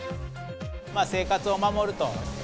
生活を守ると。